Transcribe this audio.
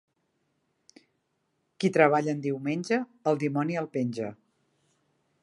Qui treballa en diumenge, el dimoni el penja.